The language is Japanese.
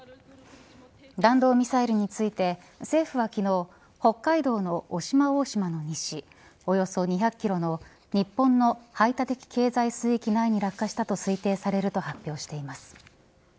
弾道ミサイルについて政府は昨日北海道の渡島大島の西およそ２００キロの日本の排他的経済水域内に落下したと推定されると発表しています。